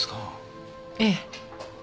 ええ。